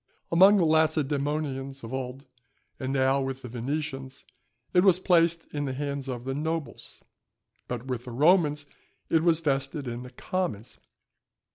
Among the Lacedæmonians of old, as now with the Venetians, it was placed in the hands of the nobles, but with the Romans it was vested in the commons.